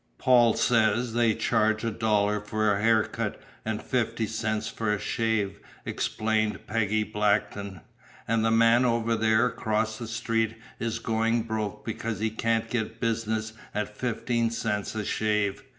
"Paul says they charge a dollar for a haircut and fifty cents for a shave," explained Peggy Blackton. "And the man over there across the street is going broke because he can't get business at fifteen cents a shave.